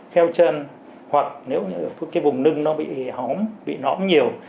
kheo chân hoặc nếu cái vùng nưng nó bị hóm bị nõm nhiều